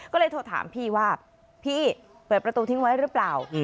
ก็เลยโทรถามพี่ว่าพี่เปิดประตูทิ้งไว้หรือเปล่า